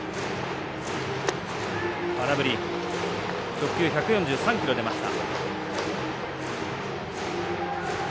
直球１４３キロ出ました。